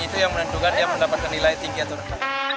itu yang menentukan dia mendapatkan nilai tinggi atau rendah